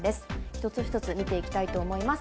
一つ一つ見ていきたいと思います。